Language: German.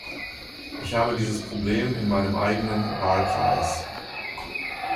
Ich habe dieses Problem in meinem eigenen Wahlkreis.